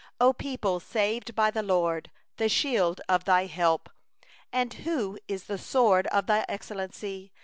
A people saved by the LORD, The shield of thy help, And that is the sword of thy excellency!